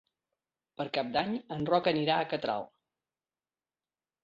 Per Cap d'Any en Roc anirà a Catral.